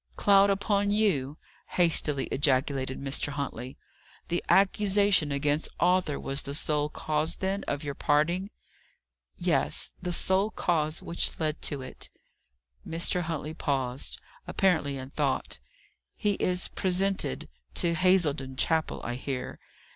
"Cloud upon you!" hastily ejaculated Mr. Huntley. "The accusation against Arthur was the sole cause, then, of your parting?" "Yes; the sole cause which led to it." Mr. Huntley paused, apparently in thought. "He is presented to Hazeldon Chapel, I hear.